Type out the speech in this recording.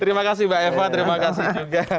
terima kasih mbak eva terima kasih juga